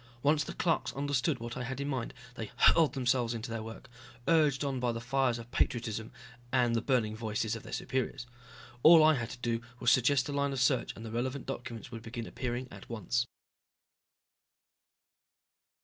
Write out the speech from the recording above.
Once the clerks understood what I had in mind they hurled themselves into their work, urged on by the fires of patriotism and the burning voices of their superiors. All I had to do was suggest a line of search and the relevant documents would begin appearing at once.